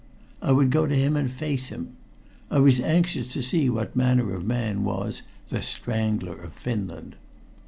I would go to him and face him. I was anxious to see what manner of man was "The Strangler of Finland."